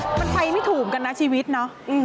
มันไปไม่ถูกกันนะชีวิตเนาะ